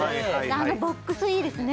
あのボックスいいですね